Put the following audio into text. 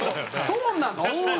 トーンなの？